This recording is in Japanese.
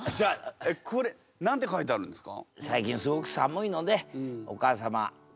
これ何て書いてあるんですか？